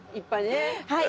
はい！